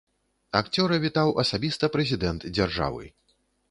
Акцёра вітаў асабіста прэзідэнт дзяржавы.